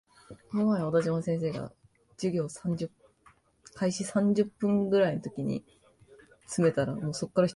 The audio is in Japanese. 鹿児島県志布志市